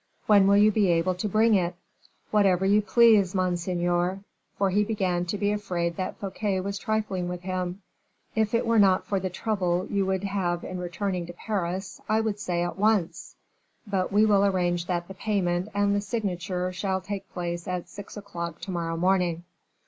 "When will you be able to bring it?" "Whenever you please, monseigneur;" for he began to be afraid that Fouquet was trifling with him. "If it were not for the trouble you would have in returning to Paris, I would say at once; but we will arrange that the payment and the signature shall take place at six o'clock to morrow morning."